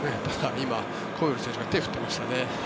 今、カウリー選手が手を振っていましたね。